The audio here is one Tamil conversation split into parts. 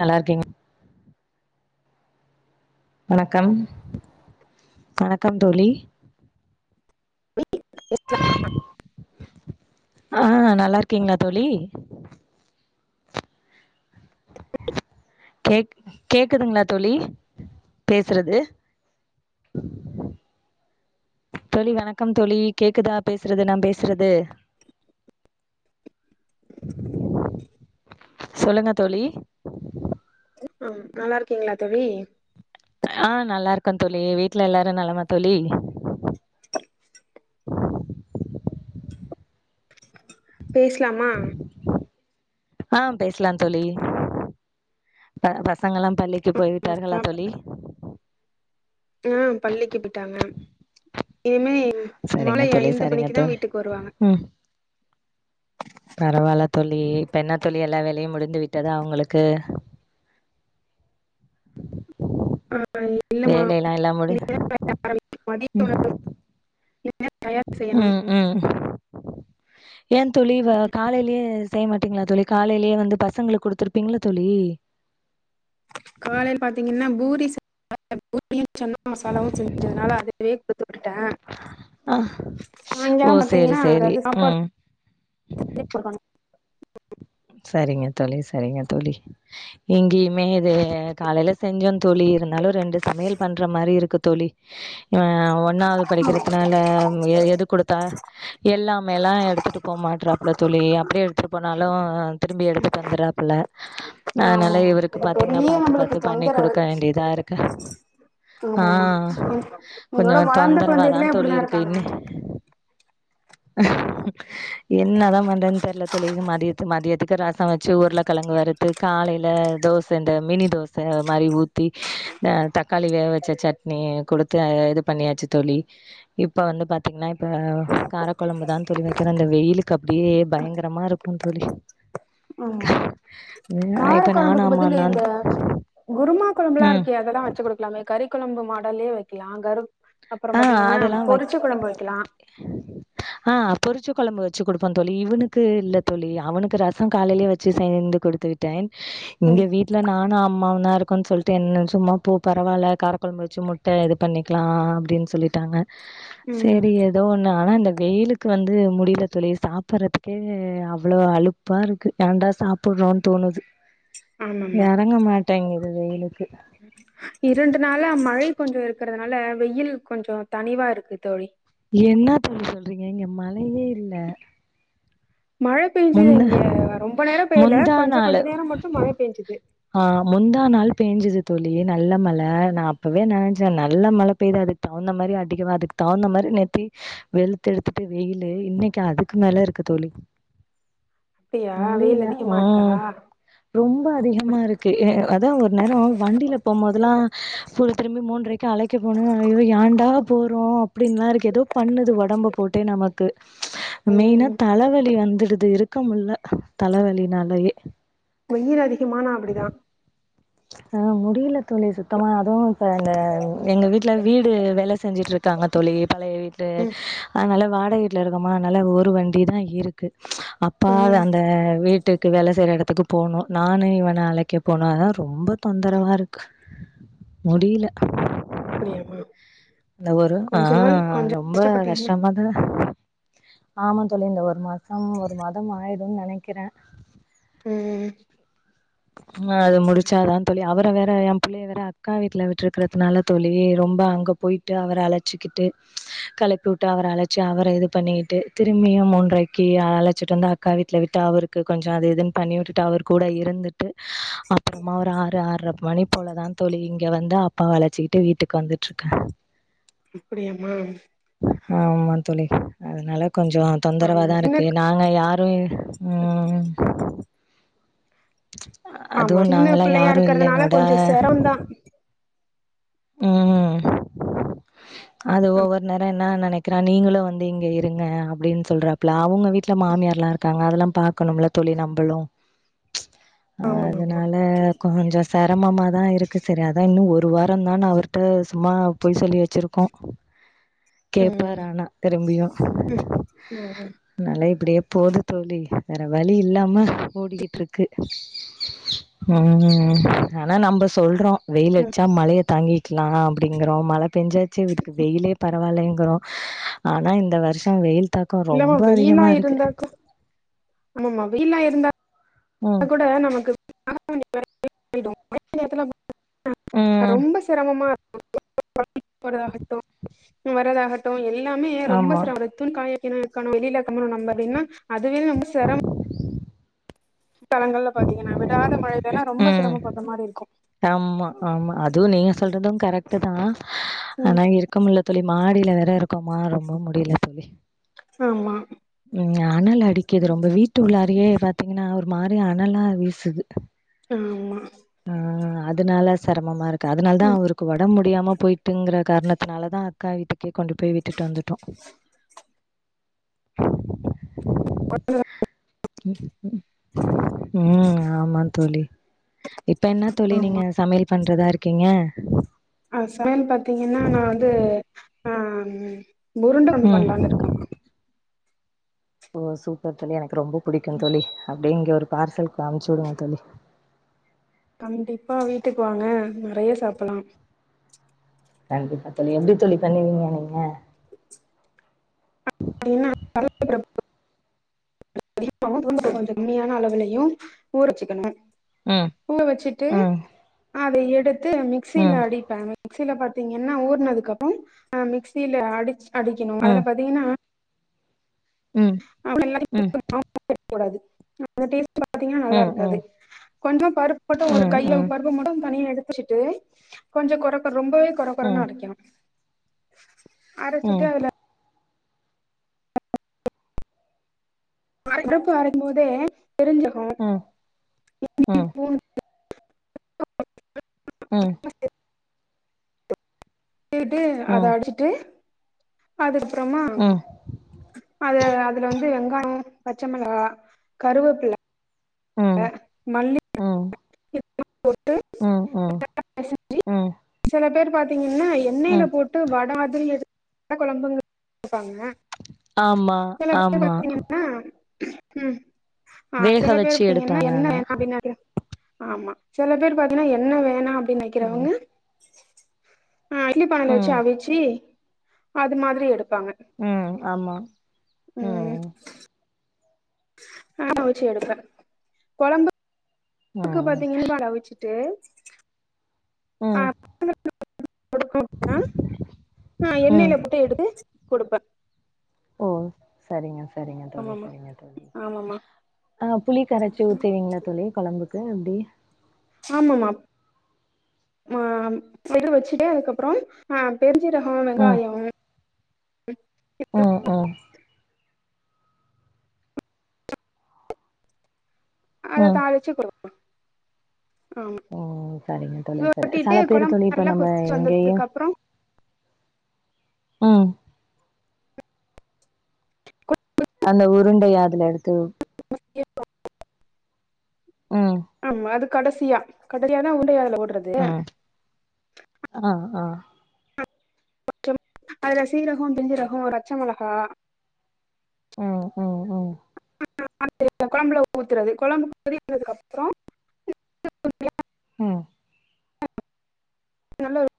நல்லாருக்கீங் வணக்கம் வணக்கம் தோழி. இ பேஸ்லாமா கிங்ளா தோழி [inaudible] கேக் கேக்குதுங்ளா தோழி பேஸ்றது [inaudible] தோழி வணக்கம் தோழி கேக்குதா பேசுறது நா பேசுறது சொல்லுங்க தோழி ம் நல்லா இருக்கீங்களா தோழி அ நல்லா இருக்கோ தோழி வீட்ல எல்லாரு நலமா தோழி பேசலாமா ஆ பேசலா தோழி பச ங்கலா பள்ளிக்கு போய் விட்டார்களா தோழி ம் பள்ளிக்கு போய்ட்டாங்க சரிங்க தோழி சரிங்க தா தோழி வீட்டுக்கு வருவாங்க ம் பரவால்ல தோழி இப்பென்னத்தோழி எல்லா வேலயும் முடிந்து விட்டதா உங்களுக்கு இல்லமா வேல எல்லா எல்லா முடிந் மதிய ம் உணவு தயார் செய்யணு ம் ம் ஏ தோழி காலயிலயே செய்ய மாட்டீங்களா தோழி காலயிலயே வந்து பசங்களுக்கு குடுத்துருப்பீங்கள்ள தோழி காலயில பாத்தீங்கன்னா பூரி செஞ் பூரியும் சன்னா மசாலாவும் செஞ்சதுனால அதுவே குடுத்து விட்டுட்டே அ ஓ சாயங்காலம் சேரி பாத்தீங்கன்னா சேரி அதாவது சாப்பாடு ம் [inaudible] சரிங்க தோழி சரிங்க தோழி இங்கயுமே இது காலையில செஞ்சோ தோழி இருந்தா ரெண்டு சமையல் பண்ற மாரி இருக்கு தோழி ஒன்னாவது படிக்கிறதுனால எது குடுத்தா எல்லாமேல்லா எடுத்துட்டு போ மாட்ராப்புல தோழி அப்டியே எடுத்துட்டு போனாலும் திரும்பி எடுத்துட்டு வந்துறாப்புல ஆமாமா அதனால இவருக்கு இது பாத்தீங்கனா பெரிய பாத்து நம்மளுக்கு பாத்து பண்ணி தொந்தரவு குடுக்க வேண்டியதா ருக்கு அ ஆமாமா என்னோட கொஞ்ச வளர்ந்த தொந்தரவாதா குழந்தைகளே தோழி அப்டிதா இருக்கு இருக்காங்க இன் என்னதா பண்றன்னு தெர்ல தோழி மதியத்து மதியத்து ரசம் வச்சு உருள கிழங்கு வருத்து காலயில தோச இந்த மினி தோச மாரி ஊத்தி தக்காளி வேக வச்ச சட்னி குடுத்து இது பண்ணியாச்சு தோழி இப்ப வந்து பாத்தீங்னா இப்ப காரக்கொழம்பு தா தோழி வைக்கனு இந்த வெயிலுக்கு அப்டியே பயங்கரமா இருக்கும் தோழி அ கார இப்ப நானு கொழம்புக்கு பதில் அம்மாந்தா இந்த குருமா கொழம்புலா ம் இருக்கே அதெல்லா வச்சு குடுக்கலால கறி கொழம்பு மாடலே வைக்கலா அப்புறம் அ பாத்தீங்கன்னா அதெலா பொரிச்ச வக்கி கொழம்பு வைக்கலா அ பொறிச்ச கொழம்பு வச்சு கொடுப்போம் தோழி இவனுக்கு இல்ல தோழி அவனுக்கு ரசம் காலயிலே வச்சு செய்து குடுத்து விட்டேன் இங்க வீட்ல நானு அம் மாமனானருக்கும் சொல்டு என்ன சும்மா போ பரவாயில காரக்கொழம்பு வச்சு முட்ட இது பண்ணிக்கலா சொல்லிட்டாங்க ம் சேரி ஏதோ ஒன்னு ஆனா இந்த வெயிலுக்கு வந்து முட் முடியல தோழி சாப்புறதுக்கே அவ்ளோ அழுப்பா இருக்கு ஏண்டா சாப்புறோன் தோணுது ஆமாமா இறங்க மாட்டேங்குது வெயிலுக்கு இரண்டு நாள மழை கொஞ்ச இருக்குறதுனால வெயில் கொஞ்ச தனிவா இருக்கு தோழி என்ன தோழி சொல்றீங்க இங்க மழயே இல்ல மழ பேஞ்சது முந்தா இங்க ரொம்ப நேர பெய்யல முந்தா கொஞ்ச கொஞ்ச நேர மட்டும் மழ பேஞ்சது அ முந்தா நாள் பேஞ்சது தோழி நல்ல மழ நா அப்பவே நினச்சே நல்ல மழ பெய்து அதுக் முன்ன மாரி அதிகமால் அதுக்கு தகுந்த மாதிரி நேத்தி வெளுத்து எடுத்துட்டு வெயிலு இன்னக்கு அதுக்கு மேல இருக்கு அப்டியா முடியில வெயில் அதிகமா இருக்கா ம் ரொம்ப அதிக மாருக்கு அதா ஒரு நேர வண்டியில போம்போதெல்லா ஸ்கூல் திரும்பி மூன்ரைக்கு அழைக்க போணுமே ஐயோ யாண்டா போறோ அப்படின்ல இருக்கு ஏதோ பண்ணுது ஒடம்பு போட்டே நமக்கு மெயினா ம் தலவலி வந்துடுது இருக்கு தாங்கமுடில தலைவலினாலயே வெயில் அதிகமானா அப்டிதா ஆ முடியல தோழி சுத்தமா எங்க வீட்டுல வீடு வேலை செஞ்சுட்டு இருக்காங்க தோழி பழைய வீட்டு ம் அதனால வாடகைவீட்டுல இருக்கொமா அதனால ஒரு வண்டி தா இருக்கு அப்பா ம் அந்த வீட்டுக்கு வேலை செய்யற இடத் போனோ நானு இவன அலைக்க போனோ அதா ரொம்ப தொந்தரவாருக் முடில அப்படியாமா இந்த ஒரும் ஆ கொஞ்ச நாள் கொஞ்சோ ரொம்ப கஷ்டப்பட்டீங்க கஷ்டமா தா ஆமா தோழி இந்த ஒரு மாசம் ஒரு மாதம் ஆய்டும் நெனைக்றே ம் அது முடிச்சாதா தோழி அவர் இப்ப வேற என் புள்ளய வேற அக்கா வீட்ல விட்ருக்றத்னால தோழி ரொம்ப அங்க போய்ட்டு அவர அலச்சிக்கிட்டு கலப்பிவுட்டு அவர அலச்சு அவர இது பண்ணிட்டு திரும்பியும் மூன்றைக்கி அலச்சிட் வந்து அக்கா வி ட்ல விட்டு அவருக் கொஞ்சோ அது இதுன் பண்ணி விட்டுட்டு அவர் கூட இருந்து டு அப்றமா ஒரு ஆறு ஆறுர மணி போலதான் தோழி இங்க வந்து அப்பா வளச்சிக்கிட்டு வீட்டுக் வந்துட்ருக்க அப்டியாமா ஆமா தோழி அதனால கொஞ்சோ ஆமா தொந்தரவாதா இருக்கு என்ன நாங்க யாரு ம் ஆமா அதுவும் சின்ன நாங்களா பிள்ளையா யாரும் இல்ல இருக்கறதுனால என்னோட கொஞ்சோ செரமந்தா ம் அது ஒவ்வொரு நேர என்ன நனைக்றேன் நீங்களும் வந்து இங்க இருங்க அப்டின் சொல்றாப்ல அவுங்க வீட்ல மாமியார் லாம் இருக்காங்க அதெல்லாம் பாக்கணும்ல தோழி நம்பளும் ஆமாமாமா அதனால கொஞ்சோ சிரமமாதான் இருக்கு சரி அதான் இன்னு ஒரு வார் தன் நான் நா அவர்ட்ட சும்மா பொய் சொல்லி வெச்ருக்கோ கேப்பார் ம் ஆனா திரும்பியு ம் ம் அனால இப்டியேப் போது தோழி வேற வலி இல்லாம ஓடிகிட் இருக்கு ம் ஆனா நம்ம சொல்றோ வெயில் ம் ட்ச்சா மலைய தாங்கிக்லாம் அப்டிங்றோ மல பெஞ்சாச்சி இதுக்கு வெயிலே பர வாலங்றோ ஆனா இந்த வர்ஷம் வெயில் தாக்கோ ரொம்ப அதிகமா இருக்கு ஆம்மா வெயிலா இருந்தா ம் கூட நமக்கு [unintelligible] ம் ரொம்ப சிரம்மமா [unintelligible] போரதாகட்டோ வர்ரதாகட்டோ எல் எல்லாமே ரொம்ப ஆமா சிரமம் துணி காய வெக்கணோ வெளில வெக்கணோ நம்ம அப்டின்னா அதுவே ரொம்ப செரம் தலங்கள்ல பாத்தீங்கன்னா விடாத மழ எல்லாம் ரொம்ப சிரம போட்ற மாரி இருக்கு ஆம்மா ஆமா அதுவும் நீங்க சொல்றதும் கரெட்டு தான் ம் ஆனா இருக்க முடியல தோழி மாடில வேற இருக்கோமா ரொம்ப முடில தோழி ஆமா இங்க அனல் அடிக்கிது ரொம்ப வீட்டு உள்ளாரியே பாத்தீங்ன்னா ஒரு மாரி அனலா வீசுது ம் ஆம்மா ஆ அதனால செரமமா இருக்கு அதனால் தான் அவருக் ஒடம்பு முடியாம போய்ட்டுங்ற காரணத்னால தா அக்கா வீட்டுக் கே கொண்டு போய் விட்டுட் வந்துட்டோ ம் ஆமா தோழி இப்ப என்ன தோழி நீங்க ஆமா சமையல் பண்றதா இருக்கீங்க அ சமையல் பாத்தீங்கன்னா நா வந்து ஆ உருண்டா குழம்பு ம். பண்ணலானு இருக்கோ ஓ சூப்பர் தோழி எனக் ரொம்ப பிடிக்கும் தோழி அப்டியே இங்க ஒரு பார்சல் அமிச்சி விடுங்க தோழி கண்டிப்பா வீட்டுக் வாங்க நெறைய சாப்பிடலா கண்டிப்பா தோழி எப்டி தோழி பண்ணுவீங்க நீங்க [unintelligible] அதிகமாவு உளுந்த பயற கொஞ்சோ கம்மியான அளவுலயு ஊற வெச்சிக்கனோ ம் பூவ வெச்சிட்டு ம் அத எடுத்து மிக்ஸில ம் அடிப்பாங்க மிக்ஸில பாத்தீங்கன்னா ஊர்னதுக்கப்ரோ அ மிக்ஸில அடிச் அடிக்கெணோ அதுல ம் பாத்தீங்கன்னா ம் ம் எல்லாத்தையு கூடாது அந்த டேஸ்ட் ட பாத்தீங்கன்னா ம் நல்லா இருக்காது ம் கொஞ்சோ பருப்பு மட்டு ஒரு ம் கையில ம் பருப்பு மட்டு தனியா எடுத் து வெச்சுட்டு கொஞ்சோ கொற கொற ரொம்பவே கொற கொறனு ம் அரைக்கனோ ம் அரச்சிட்டு அதுல பருப்பு அரைக்கு போதே பிரிஞ்சிக்கோ ம் ம் [unintelligible] ம் கீழிட்டு ம் அத அடிச்சிட்டு அது அப்றமா ம் அது அதுல வந்து வெங்காயம் அ பச்ச மெளகா கருவேப்பில அ ம் மல்லி ம் போட்டு ம் ம் [unintelligible] பெசஞ்சி ம் செல பேரு பாத்தீங்கன்னா எண்ணெயில ம் போட்டு வட மாதிரி எடுத் வத்தகொழம்புங்கு வெப்பாங்க ஆமா செல பேரு ஆமா பாத்தீங்கன்னா ம் ஆ வேக செல பேரு வச்சு பாத்தீங்கன்னா எடுப்பாங்க என்ன ஆனா அப்டீன் நறிய ஆமா செல பேரு பாத்தீங்கன்னா எண்ண வேணா அப்டின்னு ம் நெனைக்கிறவைங்க ஆ இட்லி பானைல வெச்சு ம் அவிச்சு அது மாதிரி எடுக் ப்பாங்க ம் ஆமா ம் ஆமா அவிச்சி எடுப்பே கொழம்பு அதுக்கு ம் பாத்தீங்கன்னா இன் இல்வாங்க அத வெச்சுட்டே ம் கொடுக்கு அ அ எண்ணெயில ம் போட்டு எடுத்து கொடுப்ப ஓ சரிங்க சரிங்க தோழி ஆமாமா சரிங்க தோழி ஆமாமா அதா எப்டி ஆமமாம் மா ம் விட்டுட்டு வெச்சுட்டே அதுக்கப்புறம் அ பெருஞ் சீரகோ ம் வெங்காயோம் ம் ம் அத ம் தாளிச்சு கொடுப்பே ம் சரிங்க தோழி சரி சல பேரு கொழம்பு தோழி இப்ப நல்லா நம்ம கொதிச்சு எங்கயு வந்ததுக்கு அப்புறோ ம் கு அந்த உருண்டைய அதுல எடுத்து ம் ஆமா அதுக் கடசியா கடசியாதா உருண்டைய அதுல போடு உ ஆ ஆ பச்சம் அதுல சீரகோ ஜிஞ்சரகோ பச்ச மொளகா ம் ம் ம் [unintelligible] கொழம்புல ஊத்துறது கொழம்பு கொதிக்கறதுகப்பறோ [unintelligible] ம் நல்ல ஒரு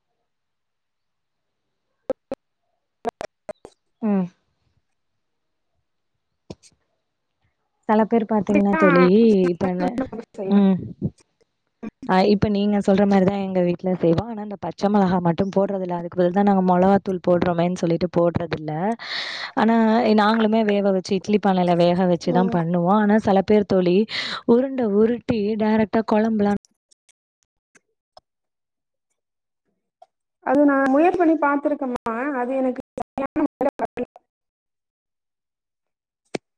[unintelligible] ம் செல பேர் பாத்தீங்ன்னா அப்டித்தா தோழி இப்ப என்ன செய்வே ம் ஆ இப்ப நீங்க சொல்ற மாரிதா எங்க வீட்ல செய்வோ ஆனா இந்த பச்ச மெளகா மட்டோ போடுறதுல்ல அதுக்கு பதில்தா நாங்க மொ மொளகாத்தூள் போடுறோமேன்னு சொல்லிட்டு போடுறதில்ல ஆனா நாங்களுமே வேவ வெச்சு இட்லி பானைல வேக வெச்சுதா ம் பண்ணுவோ ஆனா செல பேர் தோழி உருண்ட உருட்டி டைரக்டா கொழம்புலா அது நா முயற்சி பண்ணி பாத்திருக்கமா அது எனக்கு [unintelligible] [inaudible]